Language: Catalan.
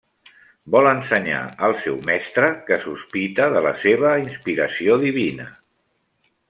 Vol ensenyar al seu mestre, que sospita de la seva inspiració divina.